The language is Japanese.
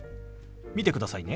見てくださいね。